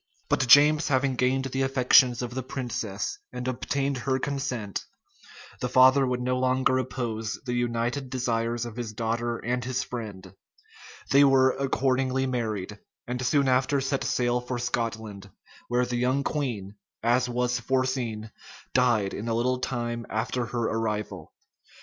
But James having gained the affections of the princess, and obtained her consent, the father would no longer oppose the united desires of his daughter and his friend: they were accordingly married, and soon after set sail for Scotland, where the young queen, as was foreseen, died in a little time after her arrival.